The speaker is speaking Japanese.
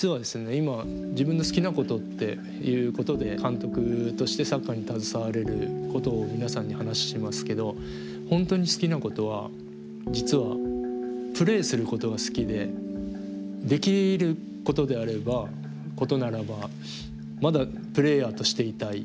今自分の好きなことっていうことで監督としてサッカーに携われることを皆さんに話しますけど本当に好きなことは実はプレーすることが好きでできることであればことならばまだプレーヤーとしていたい。